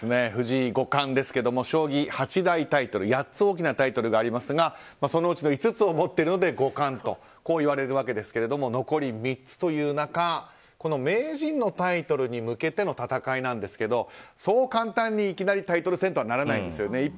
藤井五冠ですが将棋八大タイトル８つ大きなタイトルがありますがそのうち５つを持っているので五冠と言われるわけですが残り３つという中名人のタイトルに向けての戦いなんですがそう簡単にいきなりタイトル戦とはならないんですね。